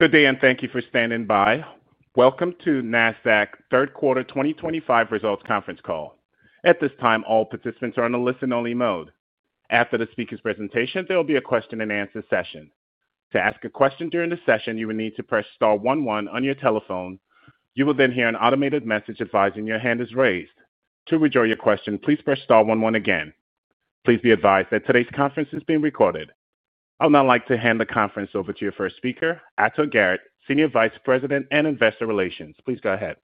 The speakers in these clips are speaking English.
Good day and thank you for standing by. Welcome to Nasdaq third quarter 2025 results conference call. At this time, all participants are in a listen-only mode. After the speaker's presentation, there will be a question and answer session. To ask a question during the session, you will need to press star one one on your telephone. You will then hear an automated message advising your hand is raised. To rejoin your question, please press star one one again. Please be advised that today's conference is being recorded. I would now like to hand the conference over to your first speaker, Ato Garrett, Senior Vice President and Investor Relations. Please go ahead.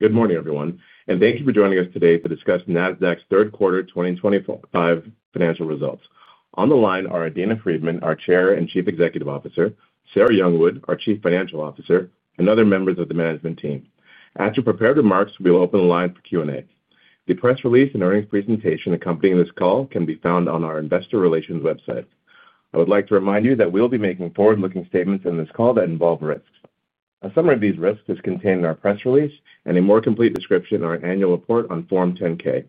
Good morning everyone and thank you for joining us today to discuss Nasdaq's third quarter 2025 financial results. On the line are Adena Friedman, our Chair and Chief Executive Officer, Sarah Youngwood, our Chief Financial Officer, and other members of the management team. After prepared remarks, we'll open the line for Q&A. The press release and earnings presentation accompanying this call can be found on our Investor Relations website. I would like to remind you that we will be making forward-looking statements in this call that involve risks. A summary of these risks is contained in our press release and a more complete description in our annual report on Form 10-K.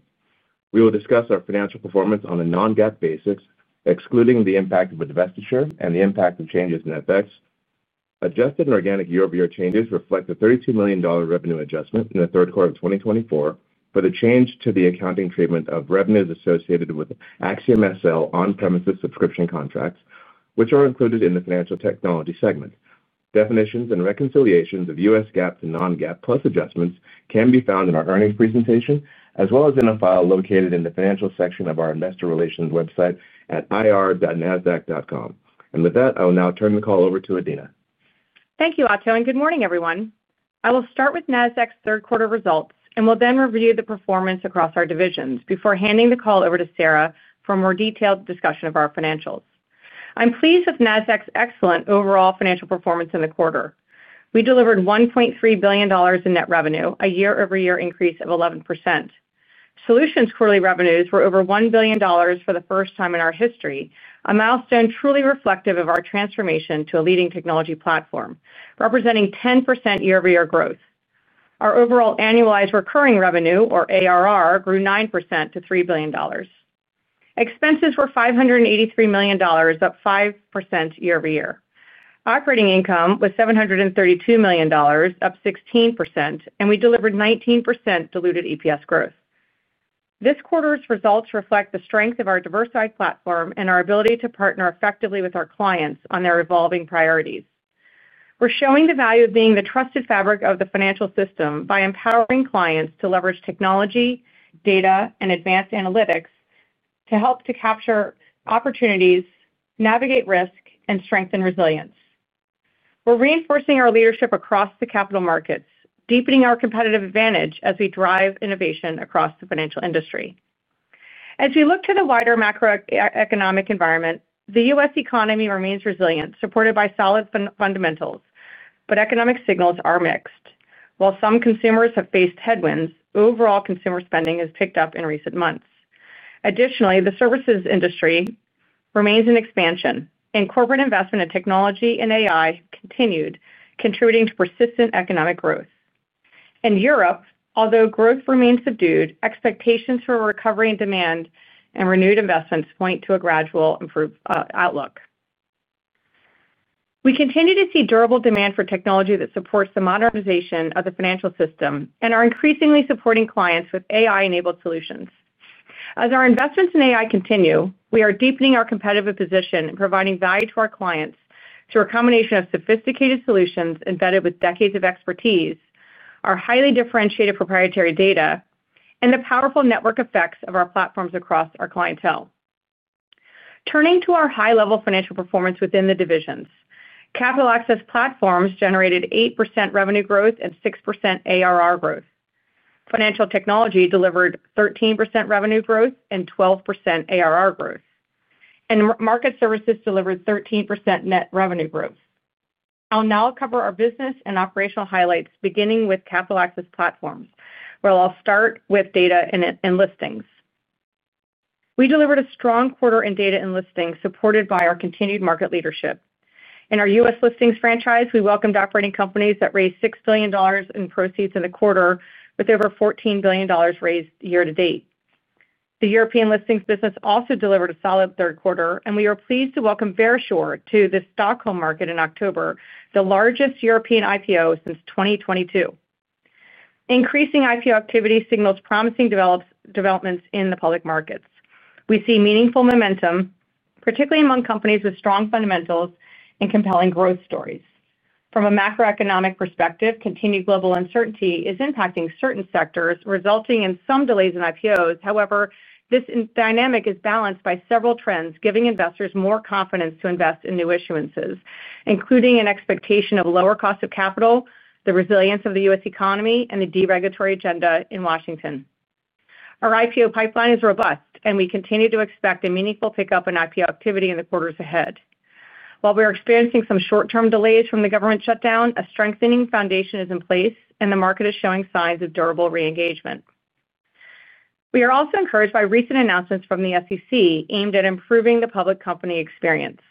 We will discuss our financial performance on a non-GAAP basis, excluding the impact of a divestiture and the impact of changes in FX. Adjusted and organic year-over-year changes reflect the $32 million revenue adjustment in the third quarter of 2024 for the change to the accounting treatment of revenues associated with AxiomSL on-premises subscription contracts, which are included in the Financial Technology segment. Definitions and reconciliations of U.S. GAAP to non-GAAP adjustments can be found in our earnings presentation as well as in a file located in the Financial section of our Investor Relations website at ir.nasdaq.com. With that, I will now turn the call over to Adena. Thank you, Ato, and good morning, everyone. I will start with Nasdaq's third quarter results and will then review the performance across our divisions before handing the call over to Sarah for a more detailed discussion of our financials. I'm pleased with Nasdaq's excellent overall financial performance in the quarter. We delivered $1.3 billion in net revenue, a year-over-year increase of 11%. Solutions quarterly revenues were over $1 billion for the first time in our history, a milestone truly reflective of our transformation to a leading technology platform representing 10% year-over-year growth. Our overall annualized recurring revenue, or ARR, grew 9% to $3 billion. Expenses were $583 million, up 5% year-over-year. Operating income was $732 million, up 16%, and we delivered 19% diluted EPS growth. This quarter's results reflect the strength of our diversified platform and our ability to partner effectively with our clients on their evolving priorities. We're showing the value of being the trusted fabric of the financial system by empowering clients to leverage technology, data, and advanced analytics to help to capture opportunities, navigate risk, and strengthen resilience. We're reinforcing our leadership across the capital markets, deepening our competitive advantage as we drive innovation across the financial industry. As we look to the wider macroeconomic environment, the U.S. economy remains resilient, supported by solid fundamentals, but economic signals are mixed. While some consumers have faced headwinds, overall consumer spending has picked up in recent months. Additionally, the services industry remains in expansion, and corporate investment in technology and AI continued, contributing to persistent economic growth. In Europe, although growth remains subdued, expectations for a recovery in demand and renewed investments point to a gradually improved outlook. We continue to see durable demand for technology that supports the modernization of the financial system and are increasingly supporting clients with AI-enabled solutions. As our investments in AI continue, we are deepening our competitive position and providing value to our clients through a combination of sophisticated solutions embedded with decades of expertise, our highly differentiated proprietary data, and the powerful network effects of our platforms across our clientele. Turning to our high level financial performance within the divisions, Capital Access Platforms generated 8% revenue growth and 6% ARR growth, Financial Technology delivered 13% revenue growth and 12% ARR growth, and Market Services delivered 13% net revenue growth. I'll now cover our business and operational highlights beginning with Capital Access Platforms, where I'll start with data and listings. We delivered a strong quarter in data and listings supported by our continued market leadership. In our U.S. listings franchise, we welcomed operating companies that raised $6 billion in proceeds in the quarter, with over $14 billion raised year to date. The European listings business also delivered a solid third quarter, and we are pleased to welcome Verisure to the Stockholm market in October, the largest European IPO since 2022. Increasing IPO activity signals promising developments in the public markets. We see meaningful momentum, particularly among companies with strong fundamentals and compelling growth stories. From a macroeconomic perspective, continued global uncertainty is impacting certain sectors, resulting in some delays in IPOs. However, this dynamic is balanced by several trends giving investors more confidence to invest in new issuances, including an expectation of lower cost of capital, the resilience of the U.S. economy, and the deregulatory agenda in Washington. Our IPO pipeline is robust, and we continue to expect a meaningful pickup in IPO activity in the quarters ahead. While we are experiencing some short term delays from the government shutdown, a strengthening foundation is in place and the market is showing signs of durable re-engagement. We are also encouraged by recent announcements from the SEC aimed at improving the public company experience.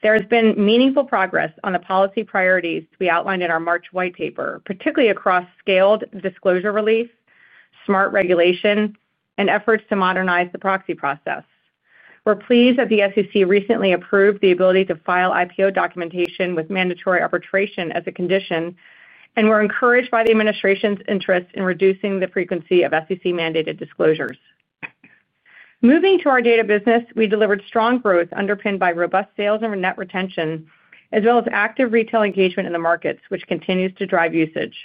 There has been meaningful progress on the policy priorities to be outlined in our March white paper, particularly across scaled disclosure relief, smart regulation, and efforts to modernize the proxy process. We're pleased that the SEC recently approved the ability to file IPO documentation with mandatory arbitration as a condition, and we're encouraged by the Administration's interest in reducing the frequency of SEC mandated disclosures. Moving to our data business, we delivered strong growth underpinned by robust sales and net retention as well as active retail engagement in the markets, which continues to drive usage.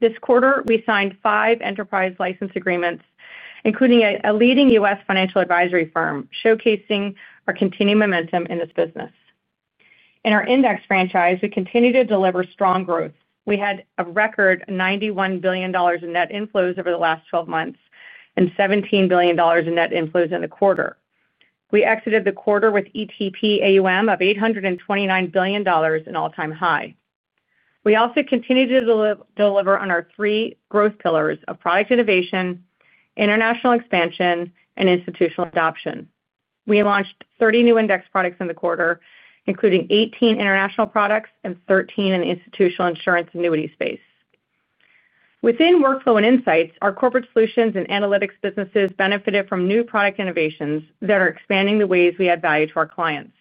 This quarter we signed five enterprise license agreements, including a leading U.S. financial advisory firm, showcasing our continued momentum in this business. In our index franchise, we continue to deliver strong growth. We had a record $91 billion in net inflows over the last 12 months and $17 billion in net inflows in the quarter. We exited the quarter with ETP AUM of $829 billion, an all-time high. We also continue to deliver on our three growth pillars of product innovation, international expansion, and institutional adoption. We launched 30 new index products in the quarter, including 18 international products and 13 in the institutional insurance annuity space. Within Workflow and Insights, our corporate solutions and analytics businesses benefited from new product innovations that are expanding the ways we add value to our clients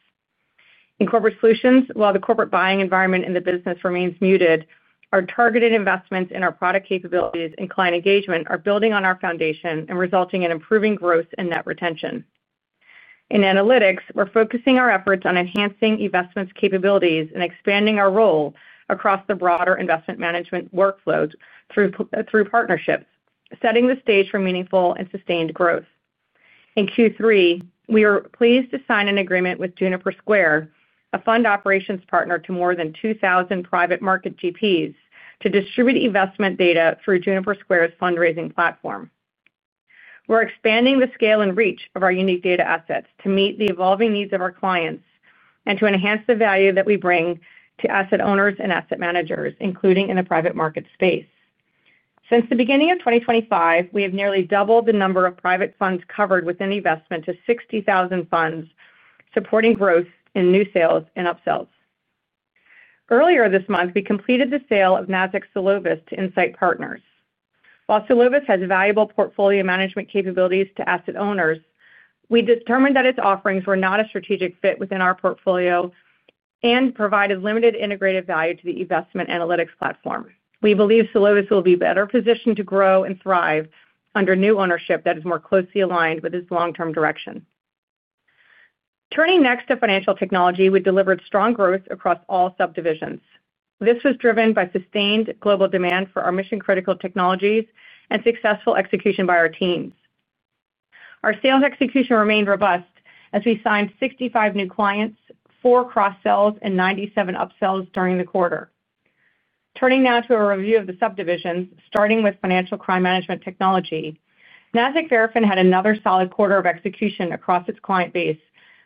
in corporate solutions. While the corporate buying environment in the business remains muted, our targeted investments in our product capabilities and client engagement are building on our foundation and resulting in improving growth and net retention. In analytics, we're focusing our efforts on enhancing eVestment's capabilities and expanding our role across the broader investment management workflows through partnerships, setting the stage for meaningful and sustained growth. In Q3, we are pleased to sign an agreement with Juniper Square, a fund operations partner to more than 2,000 private market GPs, to distribute investment data through Juniper Square's fundraising platform. We're expanding the scale and reach of our unique data assets to meet the evolving needs of our clients and to enhance the value that we bring to asset owners and asset managers, including in the private market space. Since the beginning of 2025, we have nearly doubled the number of private funds covered within eVestment to 60,000 funds, supporting growth in new sales and upsells. Earlier this month, we completed the sale of Nasdaq Solovis to Insight Partners. While Solovis has valuable portfolio management capabilities to asset owners, we determined that its offerings were not a strategic fit within our portfolio and provided limited integrated value to the investment analytics platform. We believe Solovis will be better positioned to grow and thrive under new ownership that is more closely aligned with its long-term direction. Turning next to Financial Technology, we delivered strong growth across all subdivisions. This was driven by sustained global demand for our mission-critical technologies and successful execution by our teams. Our sales execution remained robust as we signed 65 new clients, four cross-sells, and 97 upsells during the quarter. Turning now to a review of the subdivisions, starting with Financial Crime Management Technology, Nasdaq Verafin had another solid quarter of execution across its client base,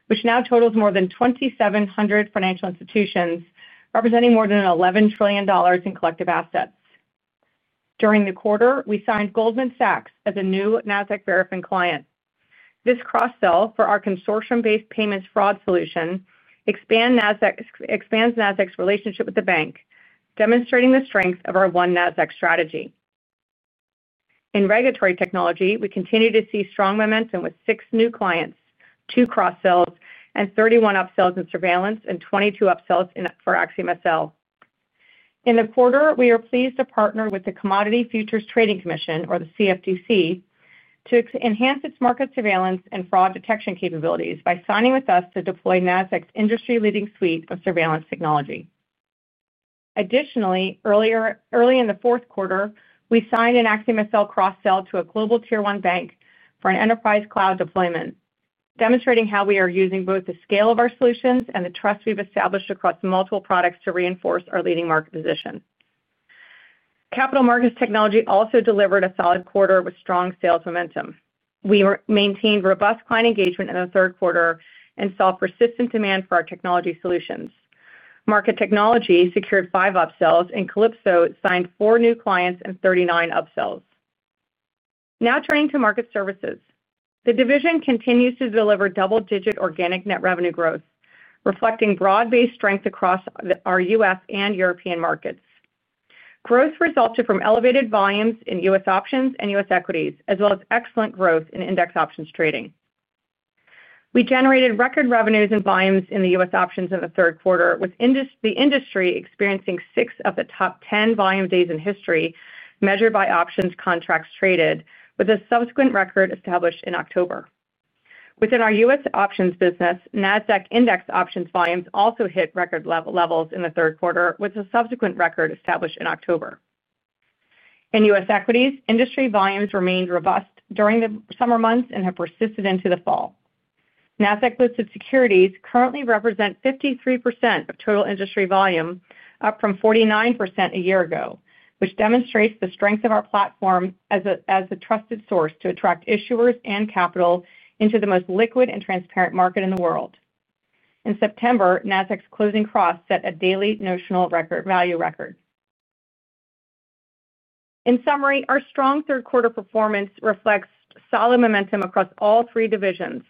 which now totals more than 2,700 financial institutions representing more than $11 trillion in collective assets. During the quarter, we signed Goldman Sachs as a new Nasdaq Verafin client. This cross-sell for our consortium-based payments fraud solution expands Nasdaq's relationship with the bank, demonstrating the strength of our One Nasdaq strategy. In Regulatory Technology, we continue to see strong momentum with six new clients, two cross-sells, and 31 upsells in surveillance, and 22 upsells for AxiomSL in the quarter. We are pleased to partner with the Commodity Futures Trading Commission, or the CFTC, to enhance its market surveillance and fraud detection capabilities by signing with us to deploy Nasdaq's industry-leading suite of surveillance technology. Additionally, early in the fourth quarter, we signed an AxiomSL cross-sell to a global tier one bank for an enterprise cloud deployment, demonstrating how we are using both the scale of our solutions and the trust we've established across multiple products to reinforce our leading market position. Capital Markets Technology also delivered a solid quarter with strong sales momentum. We maintained robust client engagement in the third quarter and saw persistent demand for our technology solutions. Market Technology secured five upsells, and Calypso signed four new clients and 39 upsells. Now turning to Market Services, the division continues to deliver double-digit organic net revenue growth, reflecting broad-based strength across our U.S. and European markets. Growth resulted from elevated volumes in U.S. options and U.S. equities, as well as excellent growth in index options trading. We generated record revenues and volumes in the U.S. options in the third quarter, with the industry experiencing six of the top 10 volume days in history measured by options contracts traded, with a subsequent record established in October. Within our U.S. options business, Nasdaq index options volumes also hit record levels in the third quarter, with a subsequent record established in October. In U.S. equities, industry volumes remained robust during the summer months and have persisted into the fall. Nasdaq-listed securities currently represent 53% of total industry volume, up from 49% a year ago, which demonstrates the strength of our platform as a trusted source to attract issuers and capital into the most liquid and transparent market in the world. In September, Nasdaq's closing cross set a daily notional value record. In summary, our strong third quarter performance reflects solid momentum across all three divisions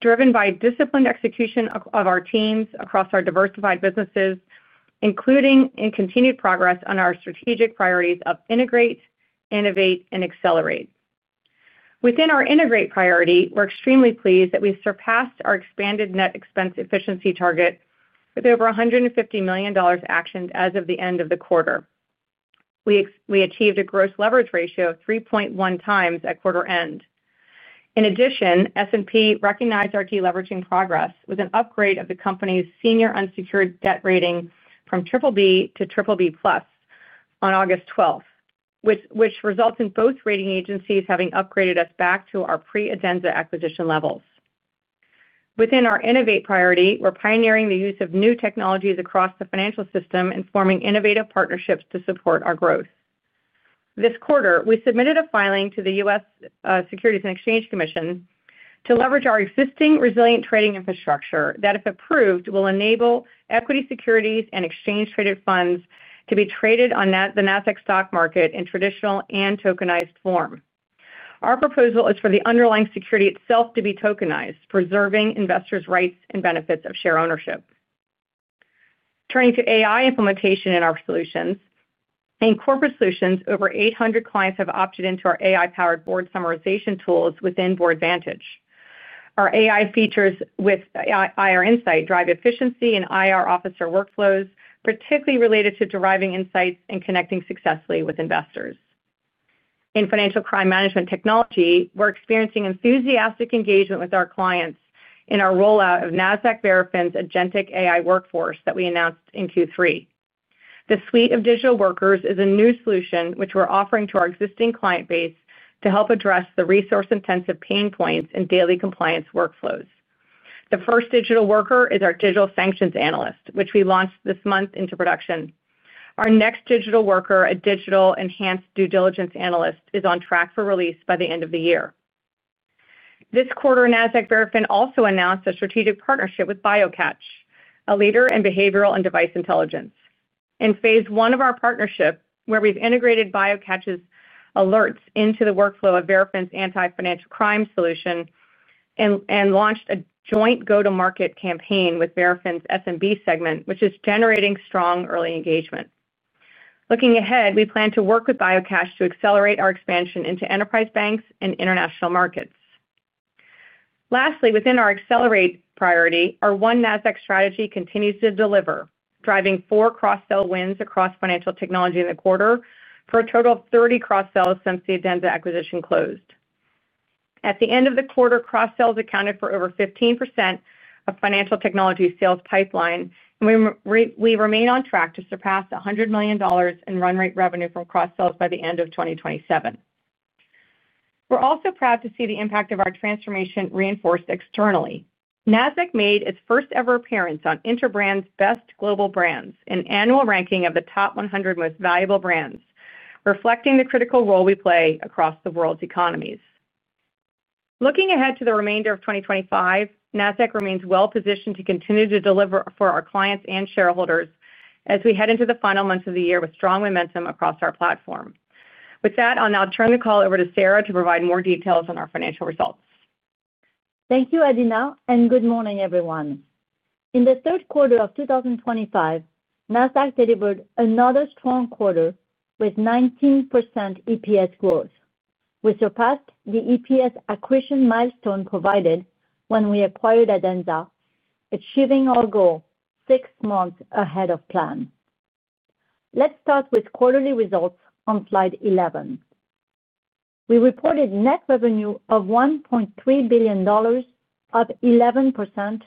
driven by disciplined execution of our teams across our diversified businesses, including continued progress on our strategic priorities of Integrate, Innovate, and Accelerate. Within our Integrate priority, we're extremely pleased that we surpassed our expanded net expense efficiency target with over $150 million actioned as of the end of the quarter. We achieved a gross leverage ratio of 3.1x at quarter end. In addition, S&P recognized our deleveraging progress with an upgrade of the company's senior unsecured debt rating from BBB to BBB+ on August 12, which results in both rating agencies having upgraded us back to our pre-Adenza acquisition levels. Within our Innovate priority, we're pioneering the use of new technologies across the financial system and forming innovative partnerships to support our growth. This quarter we submitted a filing to the U.S. Securities and Exchange Commission to leverage our existing resilient trading infrastructure that, if approved, will enable equity securities and exchange-traded funds to be traded on the Nasdaq Stock Market in traditional and tokenized form. Our proposal is for the underlying security itself to be tokenized, preserving investors' rights and benefits of share ownership. Turning to AI implementation in our solutions, in Corporate Solutions, over 800 clients have opted into our AI-powered board summarization tools within Boardvantage. Our AI features with IR Insight drive efficiency in IR officer workflows, particularly related to deriving insights and connecting successfully with investors. In Financial Crime Management Technology, we're experiencing enthusiastic engagement with our clients in our rollout of Nasdaq Verafin's agentic AI workforce that we announced in Q3. The suite of digital workers is a new solution which we're offering to our existing client base to help address the resource-intensive pain points in daily compliance workflows. The first digital worker is our Digital Sanctions Analyst, which we launched this month into production. Our next digital worker, a digital Enhanced Due Diligence Analyst, is on track for release by the end of the year. This quarter, Nasdaq Verafin also announced a strategic partnership with BioCatch, a leader in behavioral and device intelligence, in phase one of our partnership, where we've integrated BioCatch's alerts into the workflow of Verafin's anti-financial crime solution and launched a joint go-to-market campaign with Verafin's SMB segment, which is generating strong early engagement. Looking ahead, we plan to work with BioCatch to accelerate our expansion into enterprise banks and international markets. Lastly, within our accelerate priority, our One Nasdaq strategy continues to deliver, driving four cross-sell wins across financial technology. The quarter for a total of 30 cross sells since the Adenza acquisition closed at the end of the quarter, cross sales accounted for over 15% of Financial Technology sales pipeline, and we remain on track to surpass $100 million in run rate revenue from cross sales by the end of 2027. We're also proud to see the impact of our transformation reinforced externally. Nasdaq made its first ever appearance on Interbrand's Best Global Brands, an annual ranking of the top 100 most valuable brands, reflecting the critical role we play across the world's economies. Looking ahead to the remainder of 2025, Nasdaq remains well positioned to continue to deliver for our clients and shareholders as we head into the final months of the year with strong momentum across our platform. With that, I'll now turn the call over to Sarah to provide more details on our financial results. Thank you, Adena, and good morning, everyone. In the third quarter of 2025, Nasdaq delivered another strong quarter with 19% EPS growth. We surpassed the EPS accretion milestone provided when we acquired Adenza, achieving our goal six months ahead of plan. Let's start with quarterly results on slide 11. We reported net revenue of $1.3 billion, up 11%,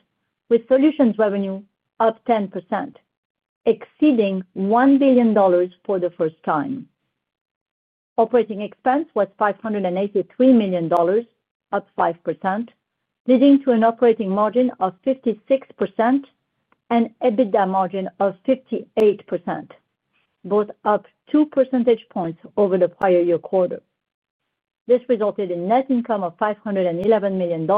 with Solutions revenue up 10%, exceeding $1 billion for the first time. Operating expense was $583 million, up 5%, leading to an operating margin of 56% and EBITDA margin of 58%, both up 2 percentage points over the prior year quarter. This resulted in net income of $511 million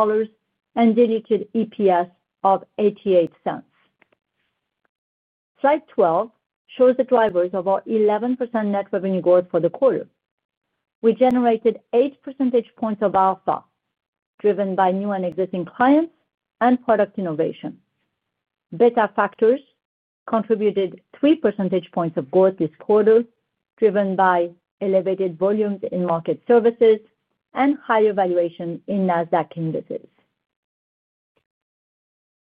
and diluted EPS of $0.88. Slide 12 shows the drivers of our 11% net revenue growth for the quarter. We generated 8 percentage points of alpha driven by new and existing clients and product innovation. Beta factors contributed 3 percentage points of growth this quarter, driven by elevated volumes in Market Services and higher valuation in Nasdaq indices.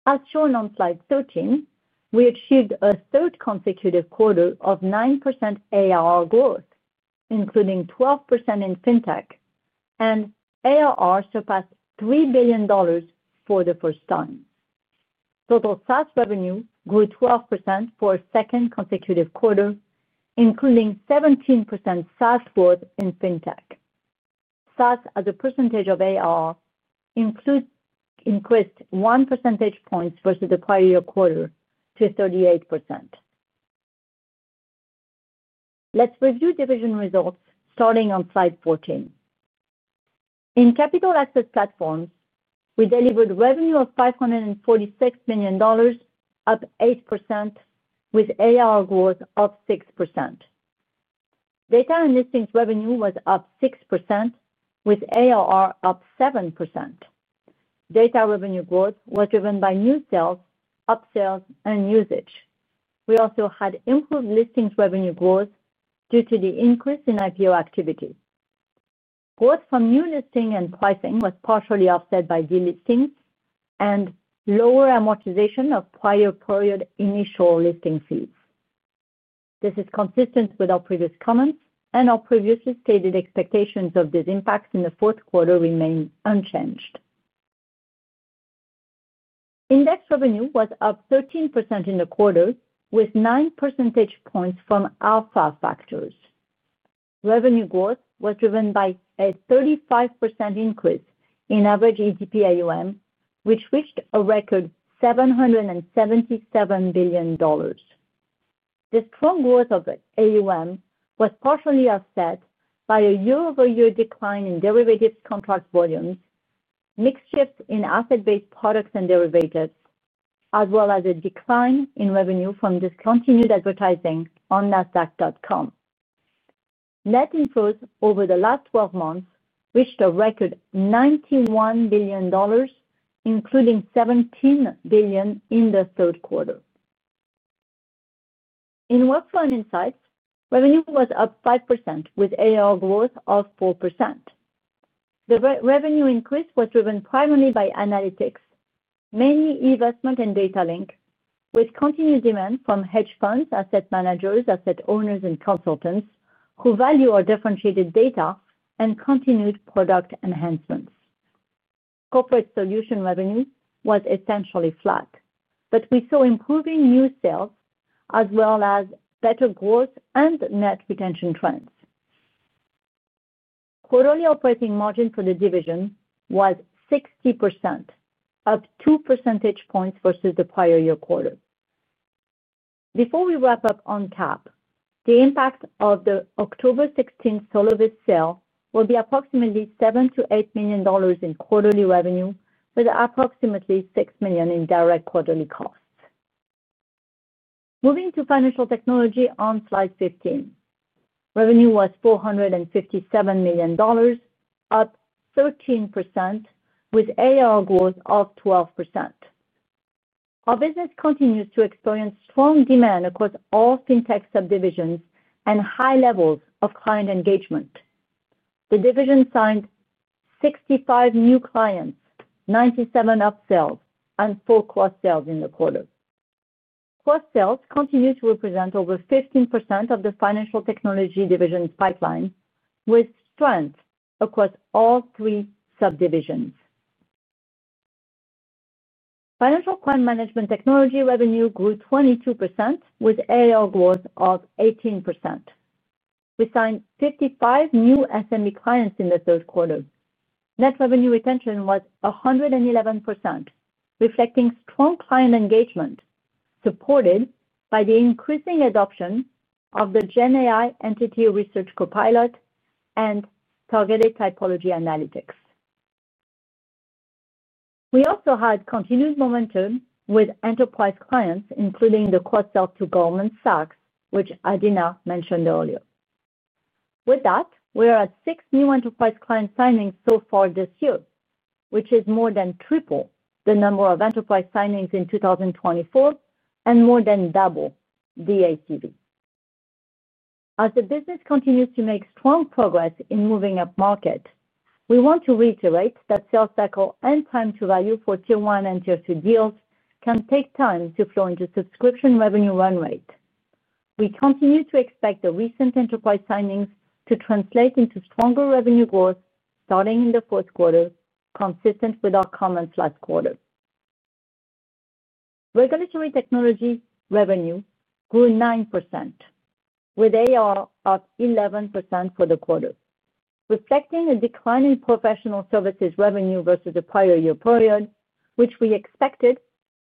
As shown on Slide 13, we achieved a third consecutive quarter of 9% ARR growth, including 12% in fintech, and ARR surpassed $3 billion for the first time. Total SaaS revenue grew 12% for a second consecutive quarter, including 17% SaaS growth in fintech. SaaS as a percentage of ARR increased 1 percentage point versus the prior year quarter to 38%. Let's review division results starting on Slide 14. In Capital Access Platforms, we delivered revenue of $546 million, up 8%, with ARR growth of 6%. Data and listings revenue was up 6%, with ARR up 7%. Data revenue growth was driven by new sales, upsells, and usage. We also had improved listings revenue growth due to the increase in IPO activity. Growth from new listing and pricing was partially offset by delisting and lower amortization of prior period initial listing fees. This is consistent with our previous comments, and our previously stated expectations of these impacts in the fourth quarter remain unchanged. Index revenue was up 13% in the quarter, with 9 percentage points from alpha factors. Revenue growth was driven by a 35% increase in average ETP AUM, which reached a record $777 billion. The strong growth of AUM was partially offset by a year-over-year decline in derivatives contract volumes, mix shift in asset-based products and derivatives, as well as a decline in revenue from discontinued advertising. On Nasdaq.com, net inflows over the last 12 months reached a record $91 billion, including $17 billion in the third quarter. In Workflow and Insights, revenue was up 5% with ARR growth of 4%. The revenue increase was driven primarily by analytics, mainly investment in Data Link, with continued demand from hedge funds, asset managers, asset owners, and consultants who value our differentiated data and continued product enhancements. Corporate Solutions revenue was essentially flat, but we saw improving new sales as well as better growth and net retention trends. Quarterly operating margin for the division was 60%, up 2 percentage points versus the prior year quarter. Before we wrap up on CAP, the impact of the October 16th Solovis sale will be approximately $7 million-$8 million in quarterly revenue with approximately $6 million in direct quarterly costs. Moving to Financial Technology on slide 15, revenue was $457 million, up 13% with ARR growth of 12%. Our business continues to experience strong demand across all FinTech subdivisions and high levels of client engagement. The division signed 65 new clients, 97 upsells, and four cross-sales in the quarter. Cross-sales continue to represent over 15% of the Financial Technology division's pipeline with strength across all three subdivisions. Financial Client Management Technology revenue grew 22% with ARR growth of 18%. We signed 55 new SME clients in the third quarter. Net revenue retention was 111%, reflecting strong client engagement supported by the increasing adoption of the GenAI Entity, Research Copilot, and Targeted Typology Analytics. We also had continued momentum with enterprise clients, including the cross-sell to Goldman Sachs, which Adena mentioned earlier. With that, we are at six new enterprise client signings so far this year, which is more than triple the number of enterprise signings in 2023 and more than double the ACV. As the business continues to make strong progress in moving up market, we want to reiterate that sales cycle and time to value for Tier 1 and Tier 2 deals can take time to flow into subscription revenue run rate. We continue to expect the recent enterprise signings to translate into stronger revenue growth starting in the fourth quarter. Consistent with our comments last quarter, regulatory technology revenue grew 9% with ARR of 11% for the quarter, reflecting a decline in professional services revenue versus the prior year period, which we expected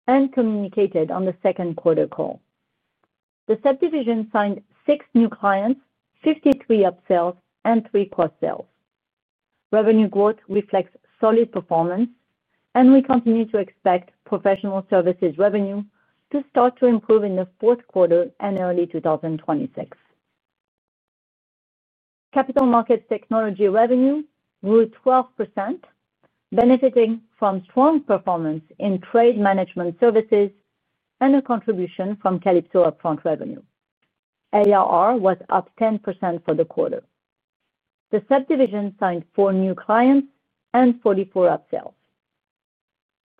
and communicated on the second quarter call. The subdivision signed six new clients, 53 upsells, and three cross-sells. Revenue growth reflects solid performance, and we continue to expect professional services revenue to start to improve in the fourth quarter and early 2026. Capital Markets Technology revenue grew 12%, benefiting from strong performance in trade management services and a contribution from Calypso upfront revenue. ARR was up 10% for the quarter. The subdivision signed four new clients and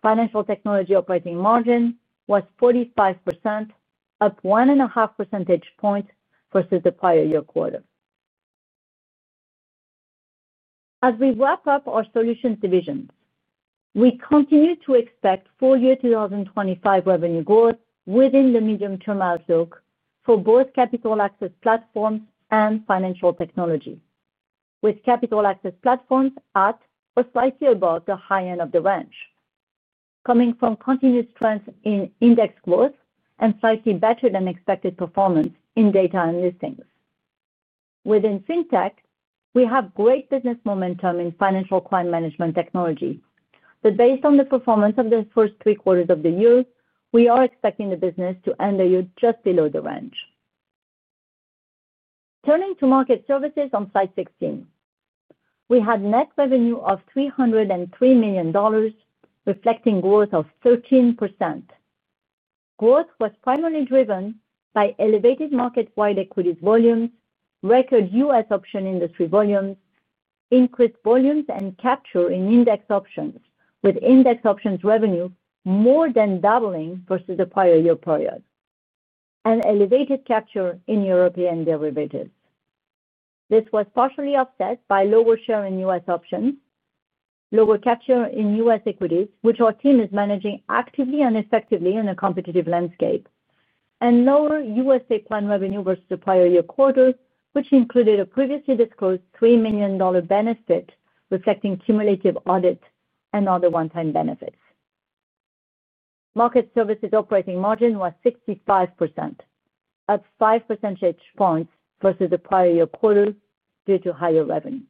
44 upsells. Financial technology operating margin was 45%, up 1.5 percentage points versus the prior year quarter. As we wrap up our solutions divisions, we continue to expect full year 2025 revenue growth within the medium-term outlook for both Capital Access Platforms and Financial Technology, with Capital Access Platforms at or slightly above the high end of the range, coming from continuous trends in index growth and slightly better than expected performance in data and listings within FinTech. We have great business momentum in financial client management technology, but based on the performance of the first three quarters of the year, we are expecting the business to end the year just below the range. Turning to Market Services on slide 16, we had net revenue of $303 million, reflecting growth of 13%. Growth was primarily driven by elevated market-wide equities volumes, record U.S. option industry volumes, increased volumes and capture in index options, with index options revenue more than doubling versus the prior year period and elevated capture in European derivatives. This was partially offset by lower share in U.S. options, lower capture in U.S. equities, which our team is managing actively and effectively in a competitive landscape, and lower U.S. state plan revenue versus the prior year quarter, which included a previously disclosed $3 million benefit reflecting cumulative audit and other one-time benefits. Market Services operating margin was 65%, up 5 percentage points versus the prior year quarter due to higher revenue.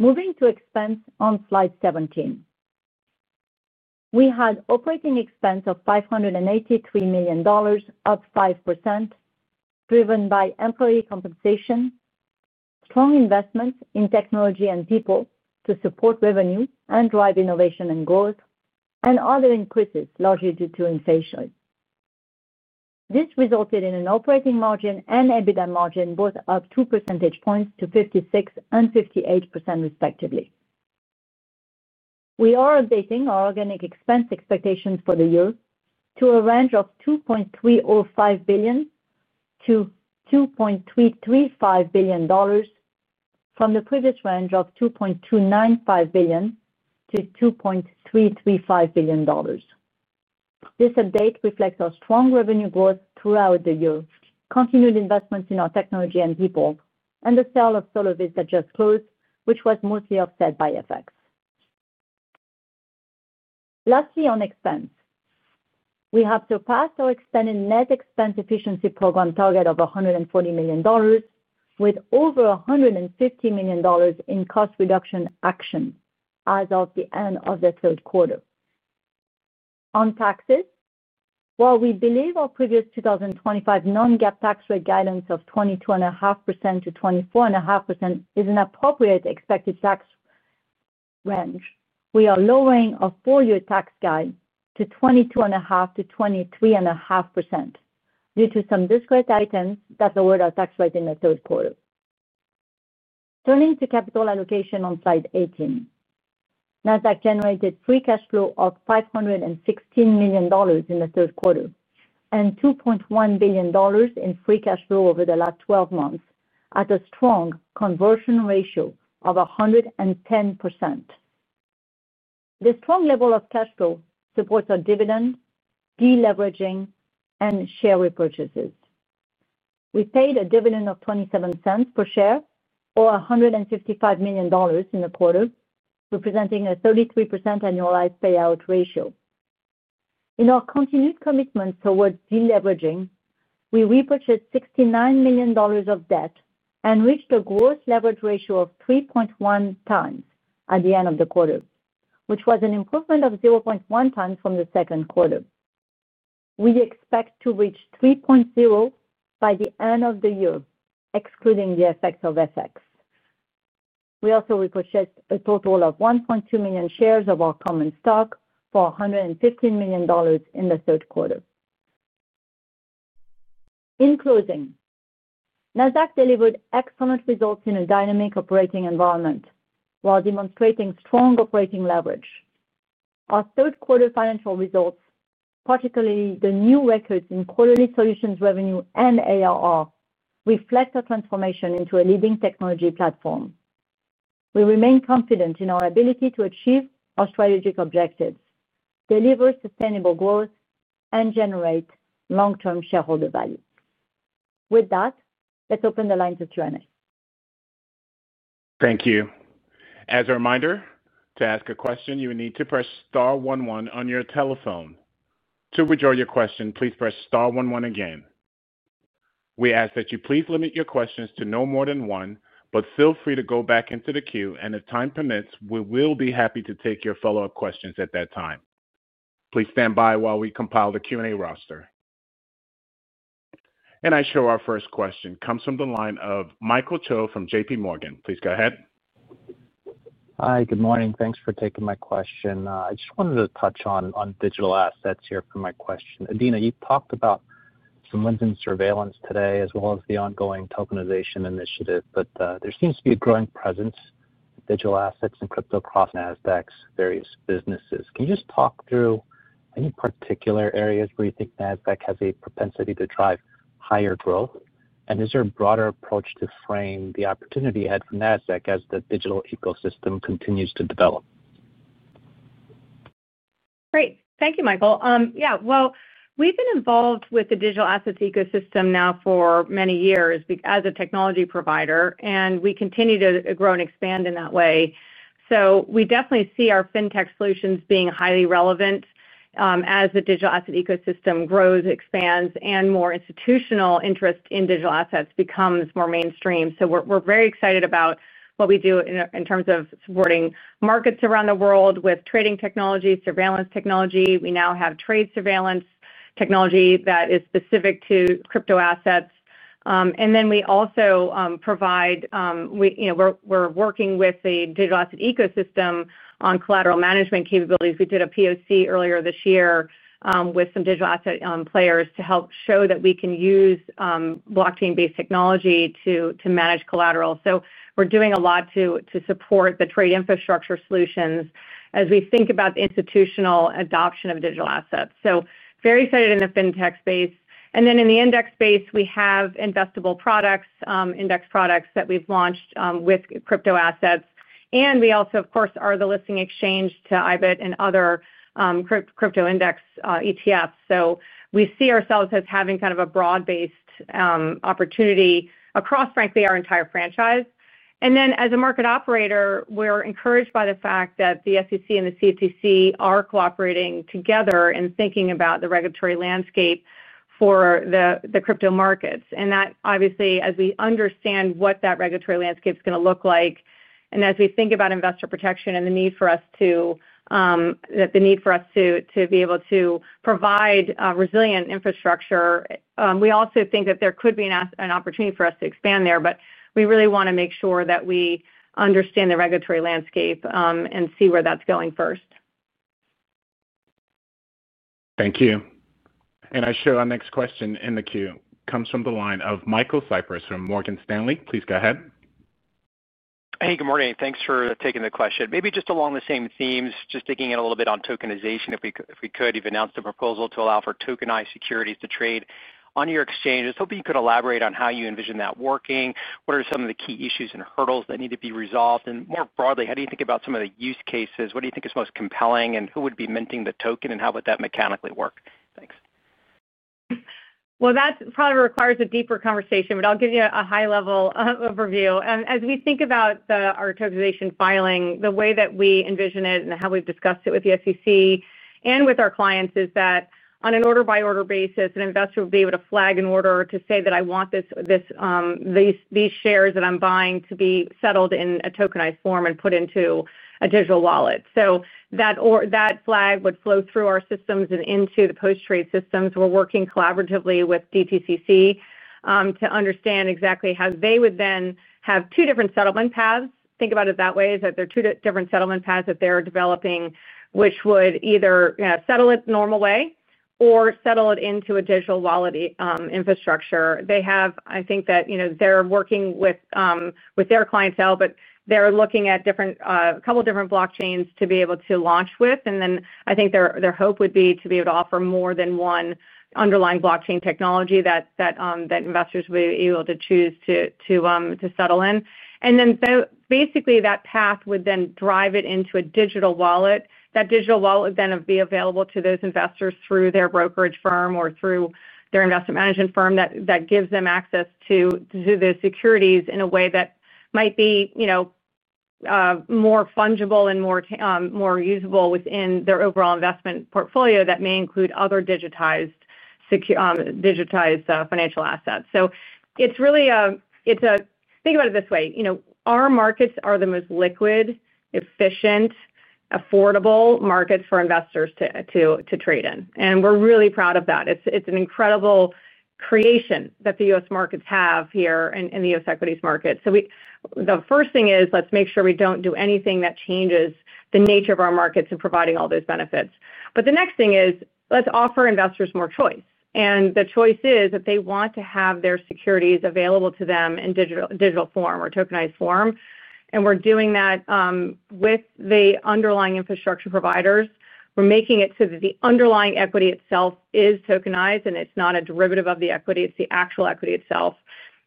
Moving to expense on slide 17. We had operating expense of $583 million, up 5%, driven by employee compensation, strong investments in technology and people to support revenue and drive innovation and growth, and other increases largely due to inflation. This resulted in an operating margin and EBITDA margin both up 2 percentage points to 56% and 58% respectively. We are updating our organic expense expectations for the year to a range of $2.305 billion-$2.335 billion from the previous range of $2.295 billion-$2.335 billion. This update reflects our strong revenue growth throughout the year, continued investments in our technology and people, and the sale of Solovis that just closed, which was mostly offset by FX. Lastly on expense, we have surpassed our extended Net Expense Efficiency program target of $140 million with over $150 million in cost reduction action as of the end of the third quarter. On taxes, while we believe our previous 2025 non-GAAP tax rate guidance of 22.5%-24.5% is an appropriate expected tax range, we are lowering our full year tax guide to 22.5%-23.5% due to some discrete items that lowered our tax rate in the third quarter. Turning to capital allocation on slide 18, Nasdaq generated free cash flow of $516 million in the third quarter and $2.1 billion in free cash flow over the last 12 months at a strong conversion ratio of 110%. This strong level of cash flow supports our dividend, deleveraging, and share repurchases. We paid a dividend of $0.27 per share or $155 million in the quarter, representing a 33% annualized payout ratio. In our continued commitment towards deleveraging, we repurchased $69 million of debt and reached a gross leverage ratio of 3.1x at the end of the quarter, which was an improvement of 0.1x from the second quarter. We expect to reach 3.0 by the end of the year excluding the effects of FX. We also repurchased a total of 1.2 million shares of our common stock for $115 million in the third quarter. In closing, Nasdaq delivered excellent results in a dynamic operating environment while demonstrating strong operating leverage. Our third quarter financial results, particularly the new records in quarterly solutions, revenue, and ARR, reflect our transformation into a leading technology platform. We remain confident in our ability to achieve our strategic objectives, deliver sustainable growth, and generate long-term shareholder value. With that, let's open the line to Q&A. Thank you. As a reminder, to ask a question, you need to press star one one on your telephone. To withdraw your question, please press star one one again. We ask that you please limit your questions to no more than one, but feel free to go back into the queue, and if time permits, we will be happy to take your follow-up questions at that time. Please stand by while we compile the Q&A roster. Our first question comes from the line of Michael Cho from JPMorgan. Please go ahead. Hi, good morning. Thanks for taking my question. I just wanted to touch on digital assets here for my question. Adena, you talked about [some things on] surveillance today as well as the ongoing tokenization initiative. There seems to be a growing presence of digital assets and crypto across Nasdaq's various businesses. Can you just talk through any particular areas where you think Nasdaq has a propensity to drive higher growth, and is there a broader approach to frame the opportunity ahead for Nasdaq as the digital ecosystem continues to develop? Thank you, Michael. We've been involved with the digital assets ecosystem for many years as a technology provider, and we continue to grow and expand in that way. We definitely see our financial technology solutions being highly relevant as the digital asset ecosystem grows, expands, and more institutional interest in digital assets becomes more mainstream. We're very excited about what we do in terms of supporting markets around the world with trading technology and surveillance technology. We now have trade surveillance technology that is specific to crypto assets. We're also working with the digital asset ecosystem on collateral management capabilities. We did a POC earlier this year with some digital asset players to help show that we can use blockchain-based technology to manage collateral. We're doing a lot to support the trade infrastructure solutions as we think about the institutional adoption of digital assets. We're very excited in the fintech space, and in the index space we have investable products and index products that we've launched with crypto assets. We also, of course, are the listing exchange to IBIT and other crypto index ETFs. We see ourselves as having a broad-based opportunity across, frankly, our entire franchise. As a market operator, we're encouraged by the fact that the SEC and the CFTC are cooperating together in thinking about the regulatory landscape for the crypto markets. Obviously, as we understand what that regulatory landscape is going to look like, and as we think about investor protection and the need for us to be able to provide resilient infrastructure, we also think that there could be an opportunity for us to expand there. We really want to make sure that we understand the regulatory landscape and see where that's going first. Thank you. And I see our next question in the queue comes from the line of Michael Cyprys from Morgan Stanley. Please go ahead. Hey, good morning. Thanks for taking the question, maybe just along the same themes, just digging in a little bit on tokenization, if we could. You've announced a proposal to allow for tokenized securities to trade on your exchanges. Hopefully you could elaborate on how you envision that working. What are some of the key issues and hurdles that need to be resolved? More broadly, how do you think about some of the use cases? What do you think is most compelling and who would be minting the token and how would that mechanically work? Thanks. That probably requires a deeper conversation, but I'll give you a high-level overview as we think about our tokenization filing. The way that we envision it and how we've discussed it with the SEC and with our clients is that on an order-by-order basis, an investor will be able to flag an order to say that I want these shares that I'm buying to be settled in a tokenized form and put into a digital wallet. That flag would flow through our systems and into the post-trade systems. We're working collaboratively with DTCC to understand exactly how they would then have two different settlement paths. Think about it that way. There are two different settlement paths that they're developing, which would either settle it the normal way or settle it into a digital wallet infrastructure. I think that they're working with their clientele, but they're looking at a couple of different blockchains to be able to launch with. I think their hope would be to be able to offer more than one underlying blockchain technology that investors will be able to choose to settle in. Basically, that path would then drive it into a digital wallet. That digital wallet would then be available to those investors through their brokerage firm or through their investment management firm that gives them access to the securities in a way that might be more fungible and more usable within their overall investment portfolio that may include other digitized financial assets. Really, think about it this way. Our markets are the most liquid, efficient, affordable markets for investors to trade in, and we're really proud of that. It's an incredible creation that the U.S. markets have here. In the U.S. equities market, the first thing is let's make sure we don't do anything that changes the nature of our markets and providing all those benefits. The next thing is let's offer investors more choice. The choice is that they want to have their securities available to them in digital form or tokenized form. We're doing that with the underlying infrastructure providers. We're making it so that the underlying equity itself is tokenized, and it's not a derivative of the equity, it's the actual equity itself.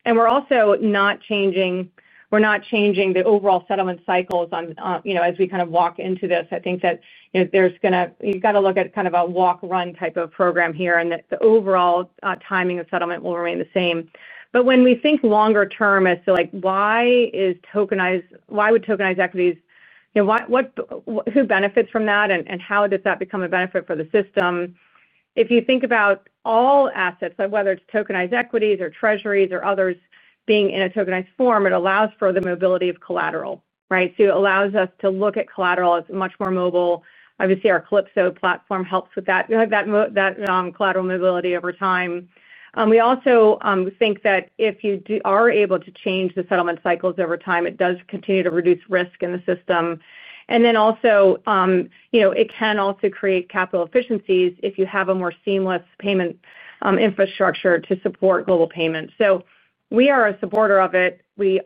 We're also not changing the overall settlement cycles. As we kind of walk into this, I think that there's going to, you've got to look at kind of a walk-run type of program here and that the overall timing of settlement will remain the same. When we think longer term as to why is tokenized, why would tokenized equities, who benefits from that and how does that become a benefit for the system? If you think about all assets, whether it's tokenized equities or treasuries or others being in a tokenized form, it allows for the mobility of collateral. Right. It allows us to look at collateral as much more mobile. Obviously, our Calypso platform helps with that collateral mobility over time. We also think that if you are able to change the settlement cycles over time, it does continue to reduce risk in the system. It can also create capital efficiencies if you have a more seamless payment infrastructure to support global payments. We are a supporter of it. We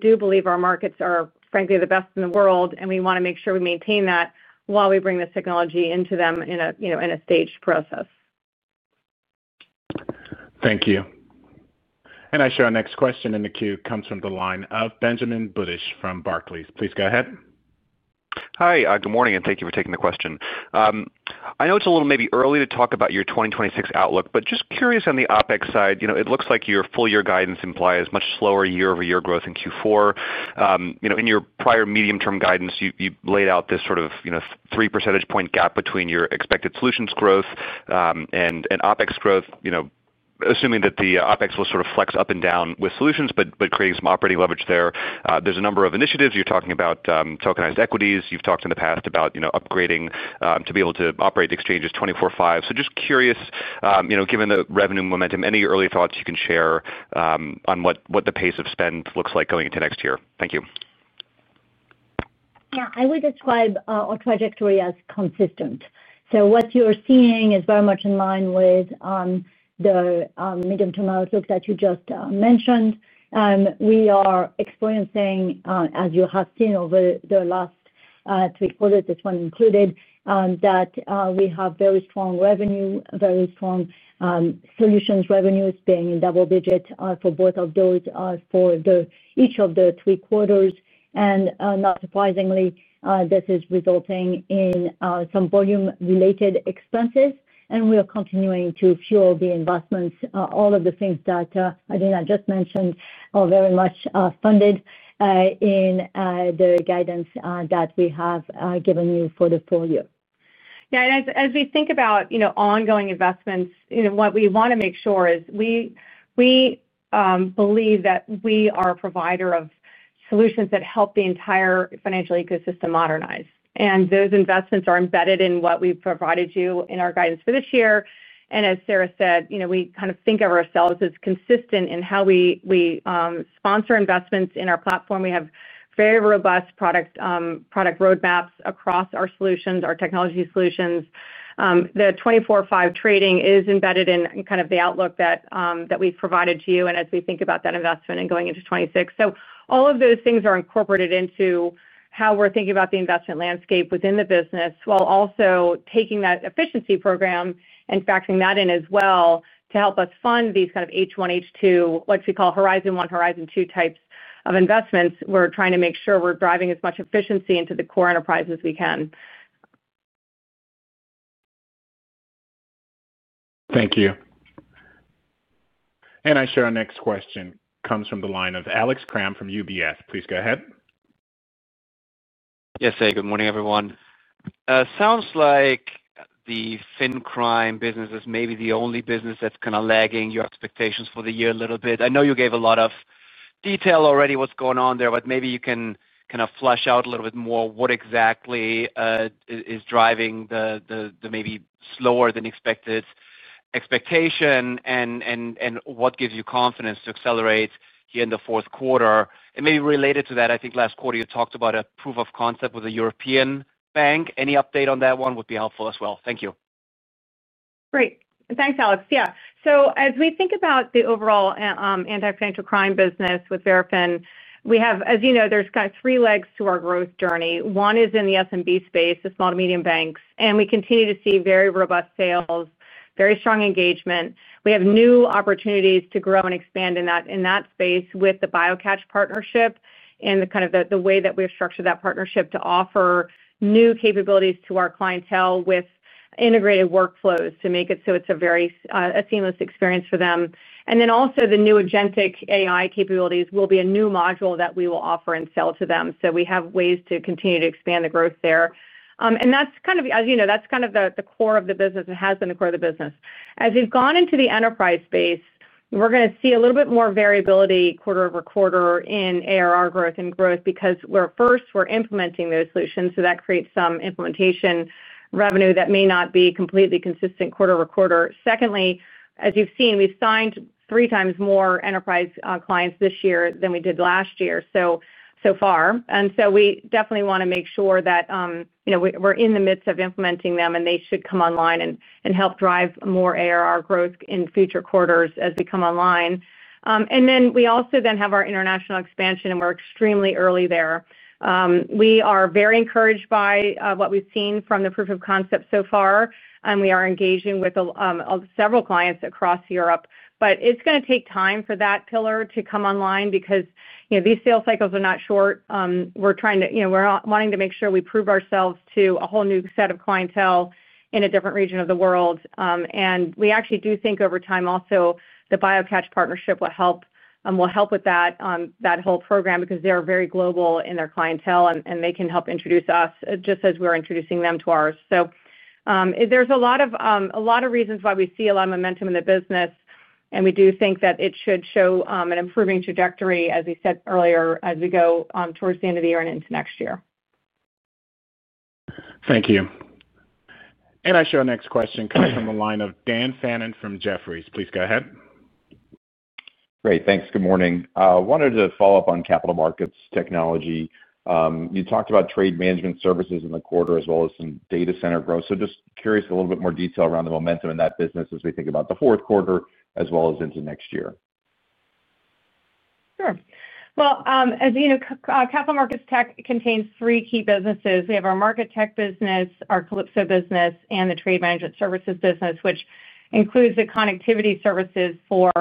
do believe our markets are frankly the best in the world, and we want to make sure we maintain that while we bring this technology into them in a staged process. Thank you. And I see our next question in the queue comes from the line of Benjamin Budish from Barclays. Please go ahead. Hi, good morning and thank you for taking the question. I know it's a little maybe early to talk about your 2026 outlook, but just curious. On the OpEx side, it looks like your full year guidance implies much slower year-over-year growth in Q4. In your prior medium-term guidance you laid out this 3 percentage point gap between your expected solutions growth and OpEx growth. Assuming that the OpEx will flex up and down with solutions, but creating some operating leverage there. There are a number of initiatives. You're talking about tokenized equities, you've talked in the past about upgrading to be able to operate the exchanges 24/5. Just curious, given the revenue momentum, any early thoughts you can share on what the pace of spend looks like going into next year? Thank you. I would describe our trajectory as consistent. What you are seeing is very much in line with the medium-term outlook that you just mentioned. We are experiencing, as you have seen over the last three quarters, this one included, that we have very strong revenue, very strong solutions revenues being in double digits for both of those for each of the three quarters, and not surprisingly, this is resulting in some volume-related expenses. We are continuing to fuel the investments. All of the things that Adena just mentioned are very much funded in the guidance that we have given you for the full year. As we think about ongoing investments, what we want to make sure is we believe that we are a provider of solutions that help the entire financial ecosystem modernize, and those investments are embedded in what we provided you in our guidance for this year. As Sarah said, we kind of think of ourselves as consistent in how we sponsor investments in our platform. We have very robust product roadmaps across our solutions, our technology solutions. The 24/5 trading is embedded in kind of the outlook that we've provided to you as we think about that investment and going into 2026. All of those things are incorporated into how we're thinking about the investment landscape within the business while also taking that efficiency program and factoring that in as well to help us fund these kind of H1, H2, what we call Horizon 1, Horizon 2 types of investments. We're trying to make sure we're driving as much efficiency into the core enterprise as we can. Thank you. Our next question comes from the line of Alex Kramm from UBS. Please go ahead. Yes. Hey, good morning everyone. Sounds like the fin-crime business is maybe the only business that's kind of lagging your expectations for the year a little bit. I know you gave a lot of detail already about what's going on there, but maybe you can flesh out a little bit more what exactly is driving the maybe slower than expected expectation and what gives you confidence to accelerate here in the fourth quarter. Maybe related to that, I think last quarter you talked about a proof of concept with a European bank. Any update on that one would be helpful as well. Thank you. Great. Thanks, Alex. Yeah. As we think about the overall anti-financial crime business with Verafin, we have, as you know, there's kind of three legs to our growth journey. One is in the SMB space, the small to medium banks, and we continue to see very robust sales, very strong engagement. We have new opportunities to grow and expand in that space with the BioCatch partnership and the way that we have structured that partnership to offer new capabilities to our clientele with integrated workflows to make it so it's a very seamless experience for them. Also, the new Agentic AI capabilities will be a new module that we will offer and sell to them. We have ways to continue to expand the growth there, and that's kind of, as you know, the core of the business. It has been the core of the business. As we've gone into the enterprise space, we're going to see a little bit more variability quarter over quarter in ARR growth because first we're implementing those solutions. That creates some implementation revenue that may not be completely consistent quarter over quarter. Secondly, as you've seen, we've signed three times more enterprise clients this year than we did last year so far. We definitely want to make sure that we're in the midst of implementing them, and they should come online and help drive more ARR growth in future quarters as we come online. We also then have our international expansion, and we're extremely early there. We are very encouraged by what we've seen from the proof of concept so far, and we are engaging with several clients across Europe. It's going to take time for that pillar to come online because these sales cycles are not short. We're wanting to make sure we prove ourselves to a whole new set of clientele in a different region of the world. We actually do think over time also the BioCatch partnership will help with that whole program because they are very global in their clientele, and they can help introduce us just as we're introducing them to ours. There are a lot of reasons why we see a lot of momentum in the business, and we do think that it should show an improving trajectory, as we said earlier, as we go towards the end of the year and into next year. Thank you. I see our next question comes from the line of Dan Fannon from Jefferies. Please go ahead. Great, thanks. Good morning. Wanted to follow up on capital markets technology. You talked about trade management services in the quarter as well as some data center growth. Just curious, a little bit more detail around the momentum in that business as we think about the fourth quarter as well as into next year. Sure. As you know, Capital Markets Tech contains three key businesses. We have our Market Tech business, our Calypso business, and the Trade Management Services business, which includes the connectivity services for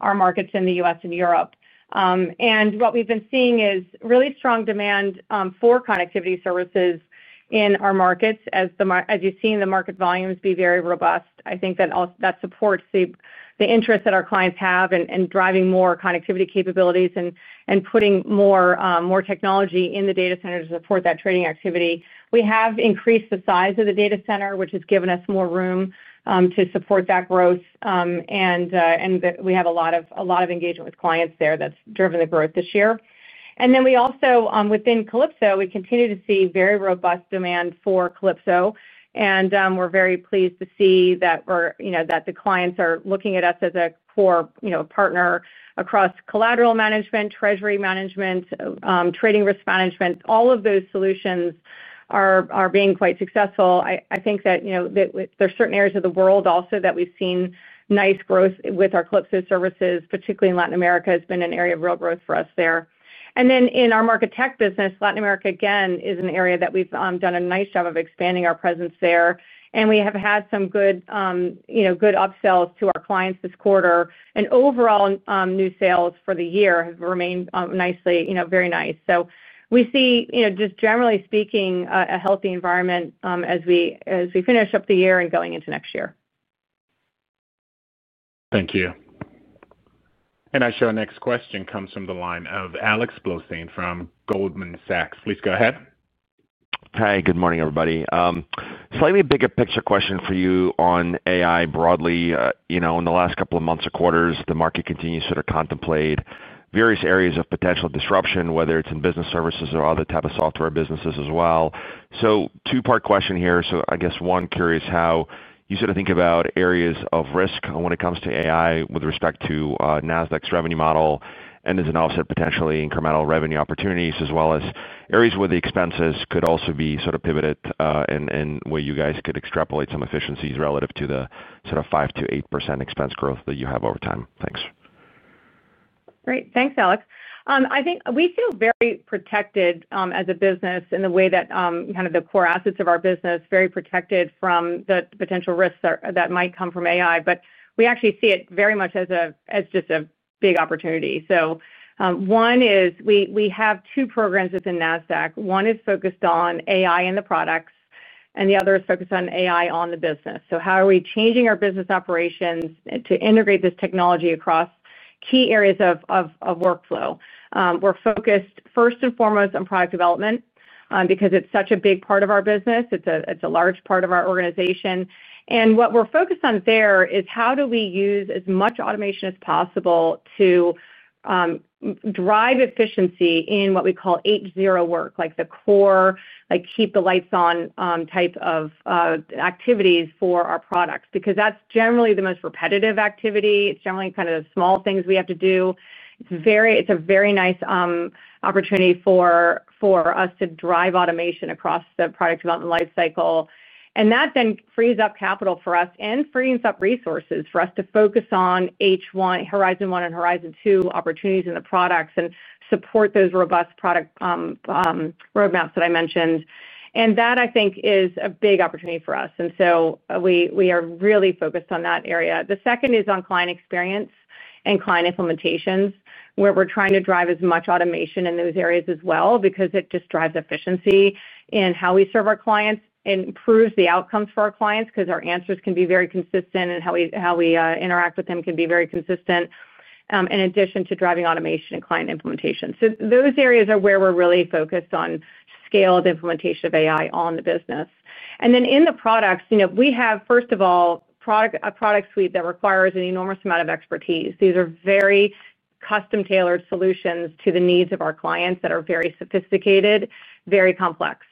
our markets in the U.S. and Europe. What we've been seeing is really strong demand for connectivity services in our markets. As you've seen, the market volumes be very robust, I think that supports the interest that our clients have in driving more connectivity capabilities and putting more technology in the data center to support that trading activity. We have increased the size of the data center, which has given us more room to support that growth. We have a lot of engagement with clients there that's driven the growth this year. We also, within Calypso, continue to see very robust demand for Calypso. We're very pleased to see that the clients are looking at us as a core partner across collateral management, treasury management, trading, risk management. All of those solutions are being quite successful. I think that there are certain areas of the world also that we've seen nice growth with our Calypso services, particularly in Latin America, which has been an area of real growth for us there, and then in our Market Tech business. Latin America again is an area that we've done a nice job of expanding our presence there. We have had some good upsells to our clients this quarter. Overall, new sales for the year have remained nicely, very nice. We see, just generally speaking, a healthy environment as we finish up the year and going into next year. Thank you. Our next question comes from the line of Alex Blostein from Goldman Sachs. Please go ahead. Hi, good morning everybody. Slightly bigger picture question for you on AI. Broadly, in the last couple of months or quarters, the market continues to contemplate various areas of potential disruption, whether it's in business services or other type of software businesses as well. Two part question here. I guess one, curious how you sort of think about areas of risk when it comes to AI with respect to Nasdaq's revenue model and as an offset, potentially incremental revenue opportunities, as well as areas where the expenses could also be sort of pivoted, where you guys could extrapolate some efficiencies relative to the sort of 5%-8% expense growth that you have over time. Great, thanks, Alex. I think we feel very protected as a business in the way that the core assets of our business are very protected from the potential risks that might come from AI. We actually see it very much as just a big opportunity. One is, we have two programs within Nasdaq. One is focused on AI in the products and the other is focused on AI on the business. How are we changing our business operations to integrate this technology across key areas of workflow? We're focused first and foremost on product development because it's such a big part of our business, it's a large part of our organization. What we're focused on there is how do we use as much automation as possible to drive efficiency in what we call [8.0] work, like the core, keep the lights on type of activities for our products, because that's generally the most repetitive activity. It's generally kind of the small things we have to do. It's a very nice opportunity for us to drive automation across the product development life cycle. That then frees up capital for us and frees up resources for us to focus on Horizon 1 and Horizon 2 opportunities using the products and support those robust product roadmaps that I mentioned. That is a big opportunity for us. We are really focused on that area. The second is on client experience and client implementations, where we're trying to drive as much automation in those areas as well, because it just drives efficiency in how we serve our clients, improves the outcomes for our clients, because our answers can be very consistent and how we interact with them can be very consistent in addition to driving automation in client implementation. Those areas are where we're really focused on scaled implementation of AI on the business and then in the products. We have, first of all, a product suite that requires an enormous amount of expertise. These are very custom, tailored solutions to the needs of our clients that are very sophisticated, very complex.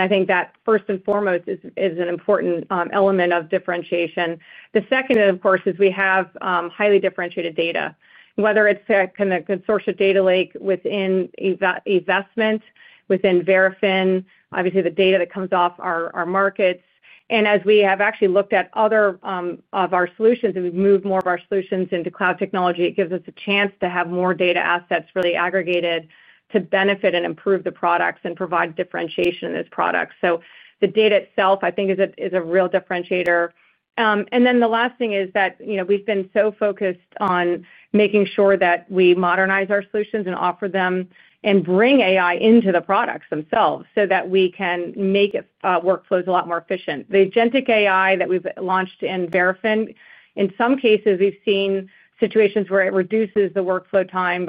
I think that first and foremost is an important element of differentiation. The second, of course, is we have highly differentiated data, whether it's consortium data, lake within, investment within Verafin, obviously the data that comes off our markets. As we have actually looked at other of our solutions and we've moved more of our solutions into cloud technology, it gives us a chance to have more data assets really aggregated to benefit and improve the products and provide differentiation in those products. The data itself, I think, is a real differentiator. The last thing is that we've been so focused on making sure that we modernize our solutions and offer them and bring AI into the products themselves so that we can make workflows a lot more efficient. The Agentic AI that we've launched in Verafin, in some cases, we've seen situations where it reduces the workflow time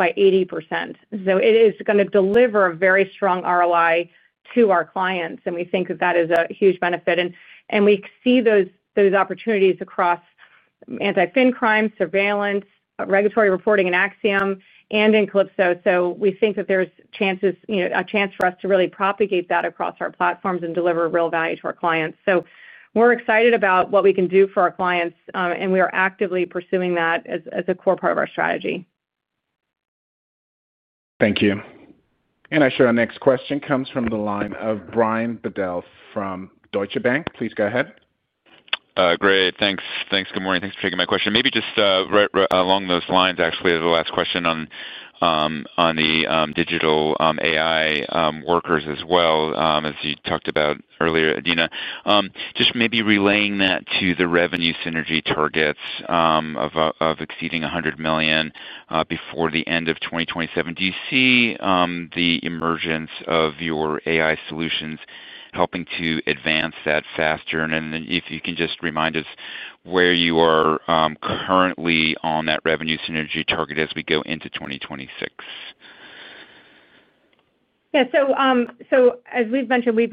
by 80%. It is going to deliver a very strong ROI to our clients. We think that that is a huge benefit and we see those opportunities across anti-financial crime, surveillance, regulatory reporting, in AxiomSL and in Calypso. We think that there's a chance for us to really propagate that across our platforms and deliver real value to our clients. We are excited about what we can do for our clients and we are actively pursuing that as a core part of our strategy. Thank you. I'm sure our next question comes from the line of Brian Bedell from Deutsche Bank. Please go ahead. Great, thanks. Good morning. Thanks for taking my question. Maybe just along those lines, actually the last question on the digital AI workers as well as you talked about earlier, Adena, just maybe relaying that to the revenue synergy targets of exceeding $100 million before the end of 2027. Do you see the emergence of your AI solutions helping to advance that faster? If you can just remind us where you are currently on that revenue synergy target as we go into 2026. Yeah. As we've mentioned, we've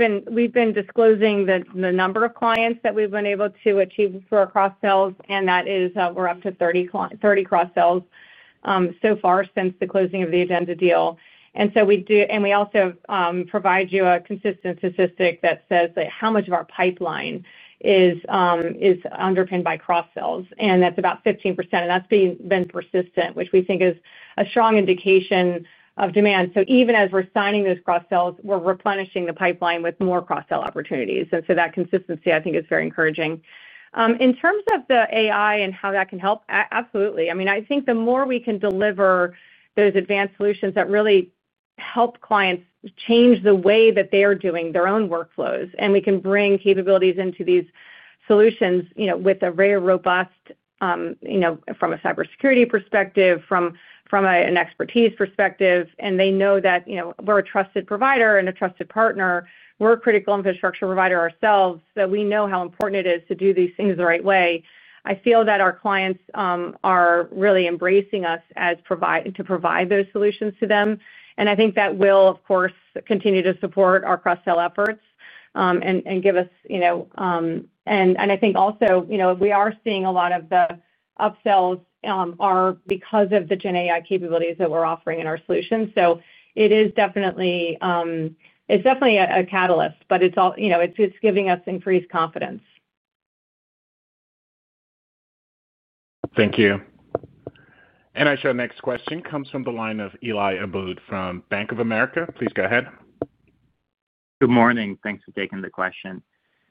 been disclosing the number of clients that we've been able to achieve for cross-sells, and that is we're up to 30 cross-sells so far since the closing of the Adenza deal. We also provide you a consistent statistic that says how much of our pipeline is underpinned by cross-sells, and that's about 15%, and that's being persistent, which we think is a strong indication of demand. Even as we're signing those cross-sells, we're replenishing the pipeline with more cross-sell opportunities. That consistency, I think, is very encouraging in terms of the AI and how that. Absolutely. I mean, I think the more we can deliver those advanced solutions that really help clients change the way that they are doing their own workflows, and we can bring capabilities into these solutions with a very robust, from a cybersecurity perspective, from an expertise perspective. They know that we're a trusted provider and a trusted partner, we're a critical infrastructure provider ourselves, that we know how important it is to do these things the right way. I feel that our clients are really embracing us to provide those solutions to them. I think that will, of course, continue to support our cross-sell efforts and give us, you know, and I think also, you know, we are seeing a lot of the upsells are because of the Gen AI capabilities that we're offering in our solutions. It is definitely, it's definitely a catalyst, but it's giving us increased confidence. Thank you. Our next question comes from the line of Eli Abboud from Bank of America. Please go ahead. Good morning. Thanks for taking the question.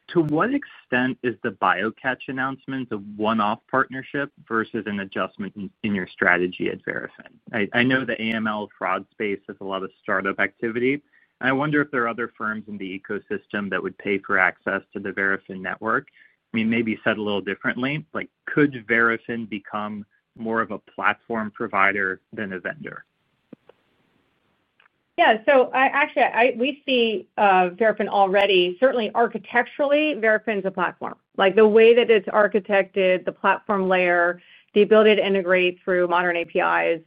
To what extent is the BioCatch announcement a one off partnership versus an adjustment in your strategy at Verafin? I know the AML fraud space has a lot of startup activity. I wonder if there are other firms in the ecosystem that would pay for access to the Verafin network. Maybe said a little differently, like could Verafin become more of a platform provider than a vendor? Yeah, so actually we see Verafin already. Certainly, architecturally, Verafin is a platform, like the way that it's architected, the platform layer, the ability to integrate through modern APIs,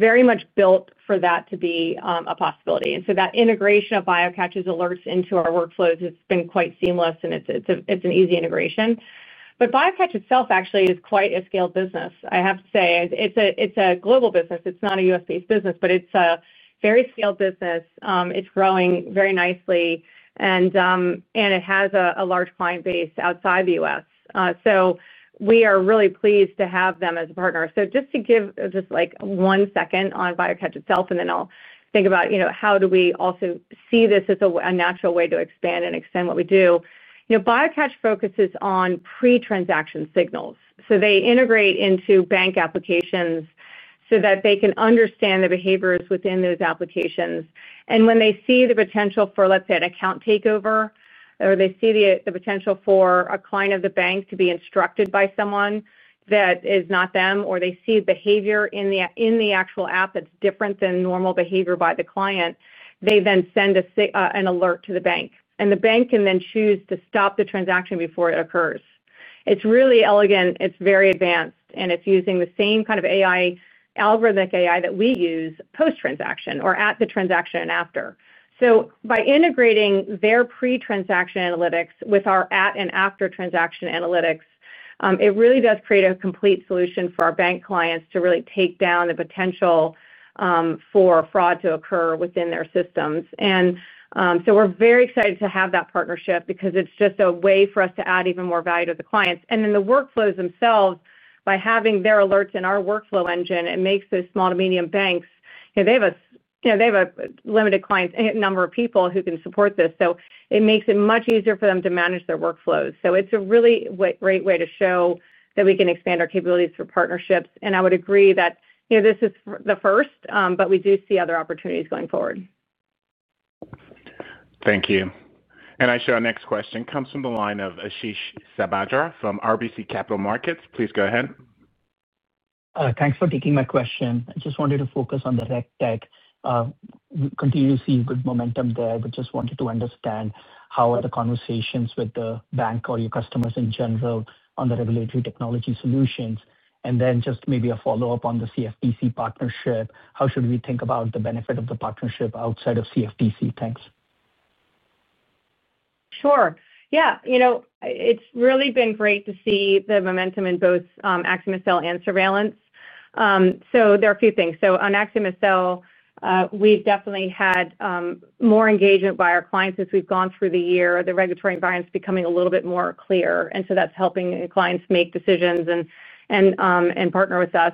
very much built for that to be a possibility. That integration of BioCatch's alerts into our workflows has been quite seamless, and it's an easy integration. BioCatch itself actually is quite a scaled business, I have to say. It's a global business. It's not a U.S.-based business, but it's a very scaled business. It's growing very nicely, and it has a large client base outside the U.S. We are really pleased to have them as a partner. Just to give one second on BioCatch itself, and then I'll think about how we also see this as a natural way to expand and extend what we do. BioCatch focuses on pre-transaction signals, so they integrate into bank applications so that they can understand the behaviors within those applications. When they see the potential for, let's say, an account takeover, or they see the potential for a client of the bank to be instructed by someone that is not them, or they see behavior in the actual app that's different than normal behavior by the client, they then send an alert to the bank, and the bank can then choose to stop the transaction before it occurs. It's really elegant, it's very advanced, and it's using the same kind of AI, algorithmic AI, that we use post-transaction or at the transaction after. By integrating their pre-transaction analytics with our at and after transaction analytics, it really does create a complete solution for our bank clients to really take down the potential for fraud to occur within their systems. We're very excited to have that partnership because it's just a way for us to add even more value to the clients and then the workflows themselves. By having their alerts in our workflow engine, it makes those small to medium banks, they have a limited client number of people who can support this, so it makes it much easier for them to manage their workflows. It's a really great way to show that we can expand our capabilities for partnerships. I would agree that this is the first, but we do see other opportunities going forward. Thank you. Our next question comes from the line of Ashish Sabadra from RBC Capital Markets. Please go ahead. Thanks for taking my question. I just wanted to focus on the regtech, continue to see good momentum there, but just wanted to understand how are. The conversations with the bank or your customers in general on the regulatory technology solutions, and then just maybe a follow-up on the CFTC partnership. How should we think about the benefit? Of the partnership outside of CFTC? Thanks. Sure. Yeah. You know, it's really been great to see the momentum in both AxiomSL and Surveillance. There are a few things. On AxiomSL we've definitely had more engagement by our clients as we've gone through the year. The regulatory environment is becoming a little bit more clear, and that's helping clients make decisions and partner with us.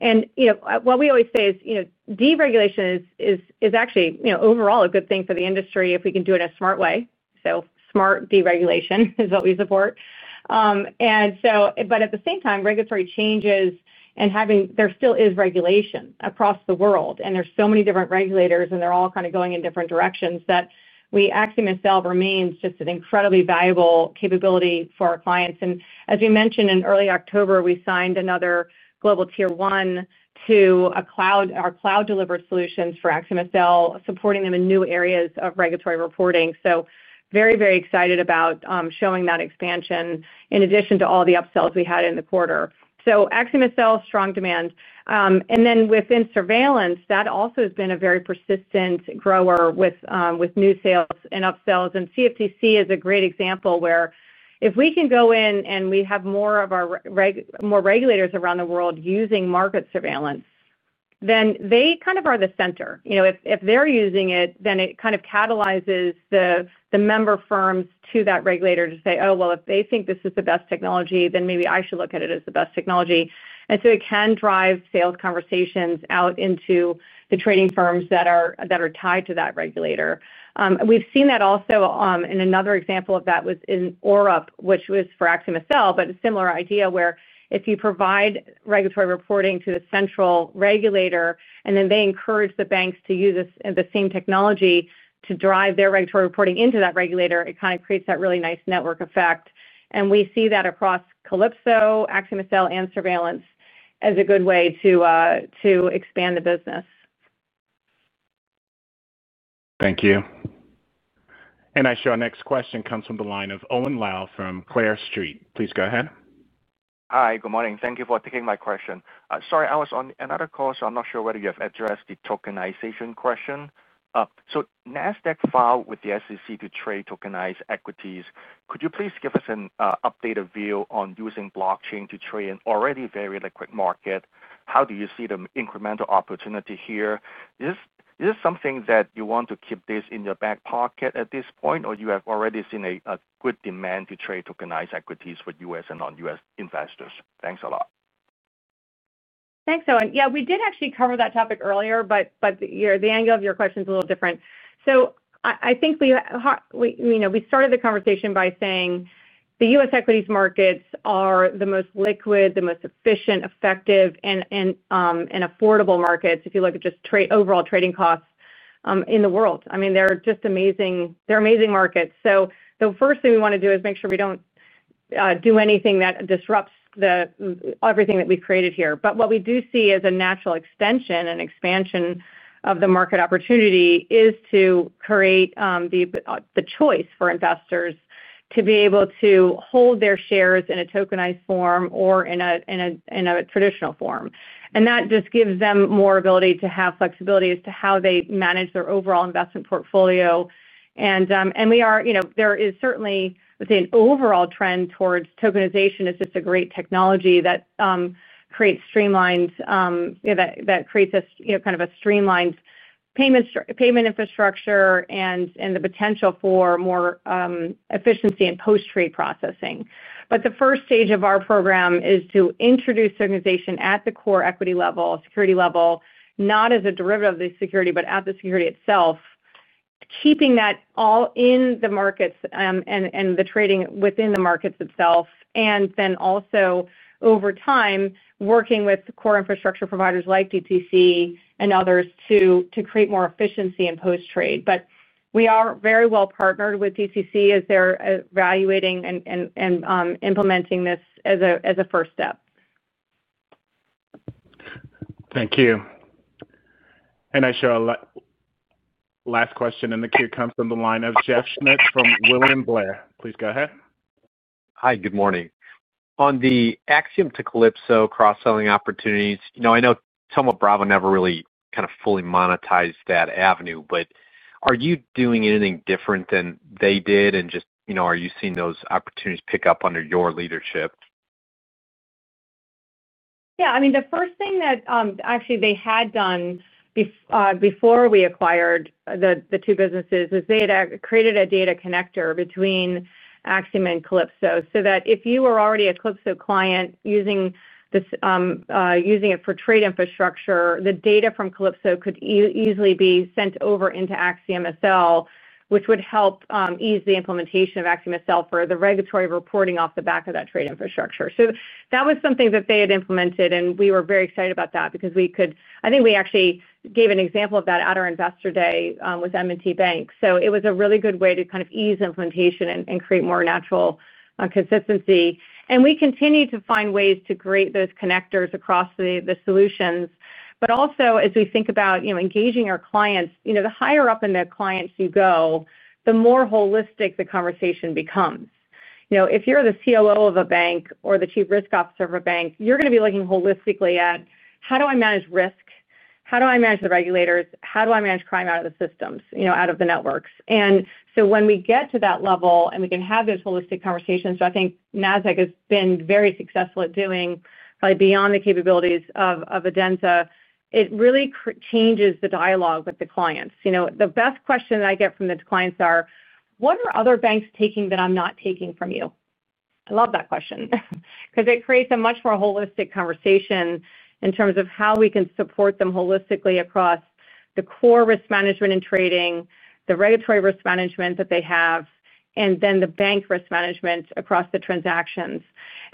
What we always say is deregulation is actually overall a good thing for the industry if we can do it a smart way. Smart deregulation is what we support, but at the same time regulatory changes and having there still is regulation across the world and there are so many different regulators and they're all kind of going in different directions that AxiomSL remains just an incredibly valuable capability for our clients. As we mentioned in early October, we signed another global tier one to our cloud-delivered solutions for AxiomSL, supporting them in new areas of regulatory reporting. Very, very excited about showing that expansion in addition to all the upsells we had in the quarter. AxiomSL has strong demand. Within Surveillance, that also has been a very persistent grower with new sales and upsells. CFTC is a great example where if we can go in and we have more regulators around the world using market surveillance, then they are the center. If they're using it, then it kind of catalyzes the member firms to that regulator to say oh well if they think this is the best technology then maybe I should look at it as the best technology. It can drive sales conversations out into the trading firms that are tied to that regulator. We've seen that also in another example of that was in Europe which was for AxiomSL, but a similar idea where if you provide regulatory reporting to the central regulator and then they encourage the banks to use the same technology to drive their regulatory reporting into that regulator, it kind of creates that really nice network effect. We see that across Calypso, AxiomSL, and Surveillance as a good way to expand the business. Thank you. I see our next question comes from the line of Owen Lau from Clear Street. Please go ahead. Hi, good morning. Thank you for taking my question. Sorry, I was on another call, so I'm not sure whether you have addressed the tokenization question. Nasdaq filed with the SEC to trade tokenized equities. Could you please give us an updated view on using blockchain to trade an already very liquid market? How do you see the incremental opportunity here? Is this something that you want to keep this in your back pocket at this point, or have you already seen a good demand to trade tokenized equities for U.S. and non-U.S. investors? Thanks a lot. Thanks, Owen. Yeah, we did actually cover that topic earlier, but the angle of your question is a little different. I think we started the conversation by saying the U.S. equities markets are the most liquid, the most efficient, effective, and affordable markets. If you look at just overall trading costs in the world, I mean they're just amazing. They're amazing markets. The first thing we want to do is make sure we don't do anything that disrupts everything that we created here. What we do see as a natural extension and expansion of the market opportunity is to create the choice for investors to be able to hold their shares in a tokenized form or in a traditional form. That just gives them more ability to have flexibility as to how they manage their overall investment portfolio. There is certainly an overall trend towards tokenization. It is just a great technology that creates streamlines, that creates kind of a streamlined payment infrastructure and the potential for more efficiency in post-trade processing. The first stage of our program is to introduce tokenization at the core equity level, security level, not as a derivative of the security, but at the security itself, keeping that all in the markets and the trading within the markets itself. Also, over time, working with core infrastructure providers like DTCC and others to create more efficiency in post-trade. We are very well partnered with DTCC as they're evaluating and implementing this as a first step. Thank you. I see the last question in the queue comes from the line of Jeff Schmitt from William Blair. Please go ahead. Hi, good morning. On the AxiomSL to Calypso cross-selling opportunities, I know Thoma Bravo never really kind of fully monetized that avenue. Are you doing anything different than they did, and are you seeing those opportunities pick up under your leadership? Yeah. I mean, the first thing that actually they had done before we acquired the two businesses is they had created a data connector between AxiomSL and Calypso so that if you were already a Calypso client using it for trade infrastructure, the data from Calypso could easily be sent over into AxiomSL, which would help ease the implementation of AxiomSL for the regulatory reporting off the back of that trade infrastructure. That was something that they had implemented. We were very excited about that because we could. I think we actually gave an example of that at our investor day with M&T Bank. It was a really good way to kind of ease implementation and create more natural consistency. We continue to find ways to create those connectors across the solutions. Also, as we think about engaging our clients, the higher up in the clients you go, the more holistic the conversation becomes. You know, if you're the COO of a bank or the Chief Risk Officer of a bank, you're going to be looking holistically at how do I manage risk, how do I manage the regulators, how do I manage crime out of the systems, you know, out of the networks. When we get to that level and we can have these holistic conversations, I think Nasdaq has been very successful at doing probably beyond the capabilities of Adenza. It really changes the dialogue with the clients. You know, the best question I get from the clients is, what are other banks taking that I'm not taking from you? I love that question because it creates a much more holistic conversation in terms of how we can support them holistically across the core risk management and trading, the regulatory risk management that they have, and then the bank risk management across the transactions.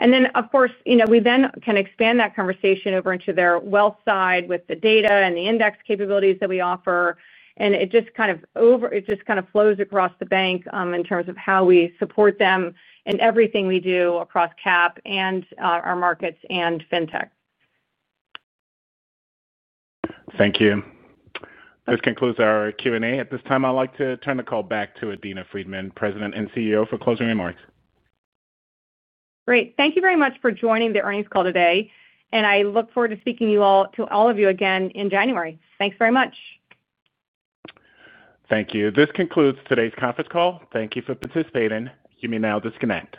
Of course, we then can expand that conversation over into their wealth side with the data and the index capabilities that we offer. It just kind of flows across the bank in terms of how we support them in everything we do across capital and our markets and fintech. Thank you. This concludes our Q&A at this time. I'd like to turn the call back to Adena Friedman, President and CEO, for closing remarks. Great. Thank you very much for joining the earnings call today, and I look forward to speaking to all of you again in January. Thanks very much. Thank you. This concludes today's conference call. Thank you for participating. You may now disconnect.